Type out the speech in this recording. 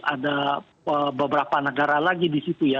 ada beberapa negara lagi di situ ya